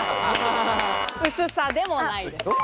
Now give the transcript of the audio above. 薄さでもないです。